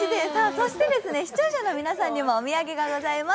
そして視聴者の皆さんにもお土産があります。